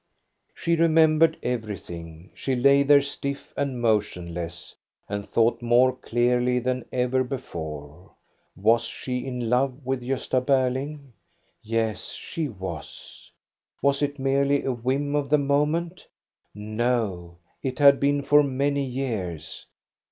She remembered everything. She lay there stiff and motionless and thought more clearly than ever •before. Was she in love with Gosta Berling? Yes, she was. Was it merely a whim of the moment? No, it had been for many years.